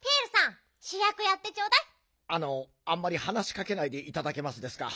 あのあんまりはなしかけないでいただけますですか？